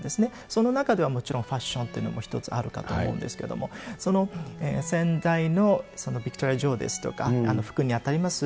その中ではもちろん、ファッションというのも一つあるかと思うんですけれども、その先代のビクトリア女王ですとか、ふくんに当たります